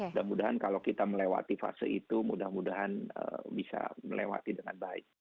mudah mudahan kalau kita melewati fase itu mudah mudahan bisa melewati dengan baik